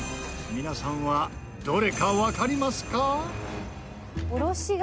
皆さんはどれかわかりますか？